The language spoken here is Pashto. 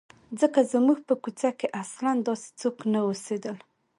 ځکه زموږ په کوڅه کې اصلاً داسې څوک نه اوسېدل.